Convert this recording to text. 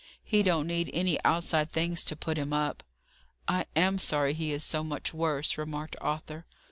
He don't need any outside things to put him up." "I am sorry he is so much worse," remarked Arthur.